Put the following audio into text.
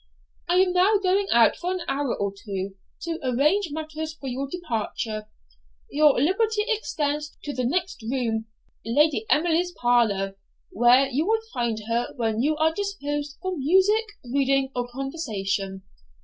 I am now going out for an hour or two to arrange matters for your departure; your liberty extends to the next room, Lady Emily's parlour, where you will find her when you are disposed for music, reading, or conversation.